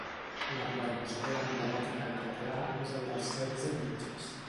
L'embarbussament emblemàtic en català és el dels setze jutges.